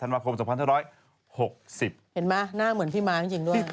เห็นมั้ยหน้าเหมือนพี่ม้าจริงด้วย